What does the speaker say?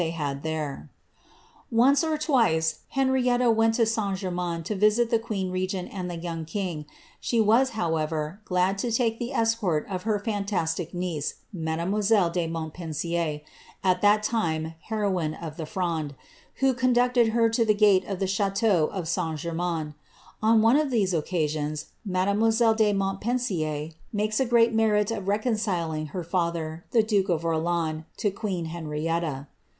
141 Once or tvice, Henrietta went to St. Germains to visit the queen recent and the joung king ; she was, however, glad to take the escort of her fantaatic niece, mademoiselle de Montpeusier, at that time hero ine of the Fronde, who conducted her to the gate of the ch&teau of St. GennaiDa. On one of these occasions, mademoiselle de Montpensier makes a great merit of reconciling her father, the duke of Orleans, to queen Henrietta.